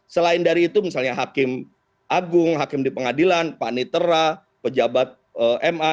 selain dari itu misalnya hakim agung hakim di pengadilan panitera pejabat ma